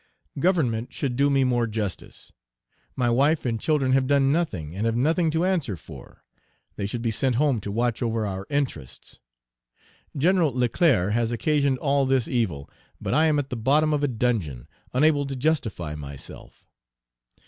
Government should do me more justice: my wife and children have done nothing and have nothing to answer for; they should be sent home to watch over our interests. Gen. Leclerc has occasioned all this evil; but I am at the bottom of a dungeon, unable to justify myself.